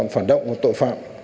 phản động tội phạm